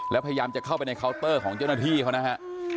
แล้วพยายามจะเข้าไปในเคาน์เตอร์ของเจ้าหน้าที่เขานะฮะ